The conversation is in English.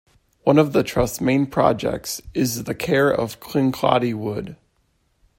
One of the trust's main projects is the care of Kincladie Wood.